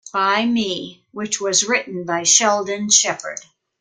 By Me, which was written by Sheldon Sheppard.